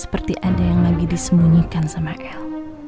seperti ada yang lagi disembunyikan sama el